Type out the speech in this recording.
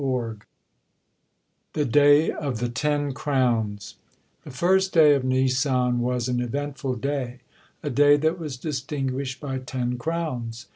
THE DAY OF THE TEN CROWNS The first day of Nisan was an eventful day, "a day that was distinguished by ten crowns."